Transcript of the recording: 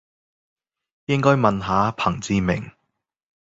應該問下彭志銘